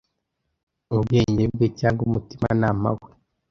ubwenge bwe cyangwa umutimanama we